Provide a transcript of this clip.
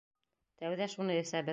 Тәүҙә шуны әсәбеҙ.